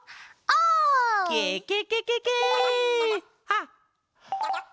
あっ！